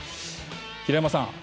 平山さん